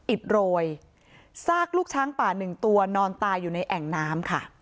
อิดโรยซากลูกช้างป่าหนึ่งตัวนอนตายอยู่ในแอ่งน้ำค่ะ